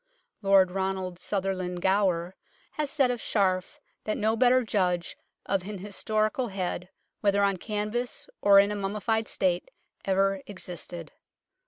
Lord Ronald Sutherland Gower has said of Scharf that no better judge of an historical head, whether on canvas or in a mummified state, ever existed.